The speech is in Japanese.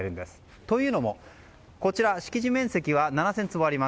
というのもこちら、敷地面積は７０００坪あります。